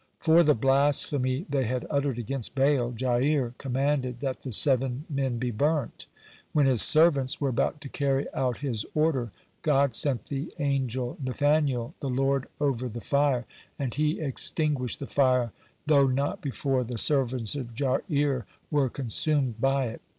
For the blasphemy they had uttered against Baal, Jair commanded that the seven men be burnt. When his servants were about to carry out his order, God sent the angel Nathaniel, the lord over the fire, and he extinguished the fire though not before the servants of Jair were consumed by it.